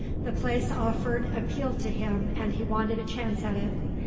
The place offered appealed to him and he wanted a chance at it.